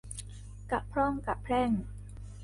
กะพร่องกะแพร่ง